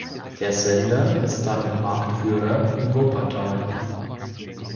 Der Sender ist damit Marktführer in Wuppertal.